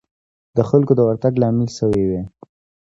د خلکو د ورتګ لامل شوې وي.